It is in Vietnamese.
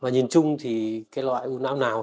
nhìn chung thì cái loại u não nào